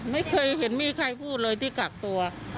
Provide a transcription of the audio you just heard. ไม่เห็นเลยค่ะไม่เคยเห็นมีใครพูดเลยที่กลับตัว